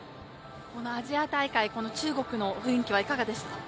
アジア大会、中国の雰囲気はいかがですか？